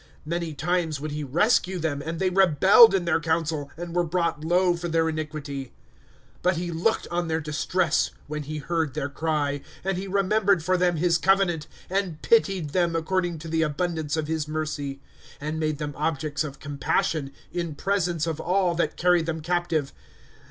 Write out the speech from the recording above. *' Many times would ho rescue them ; And they rebelled in their counsel, And were brought low for their iniquity. But he looked on their distress, When he heard their cry. ^^ And he remembered for them his covenant, And pitied them according to the abundance of his mercy ;*^ And made them objects of compassion, In presence of all that carried them captive.